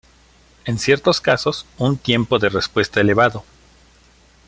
En ciertos casos, un tiempo de respuesta elevado.